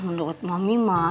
menurut mami mah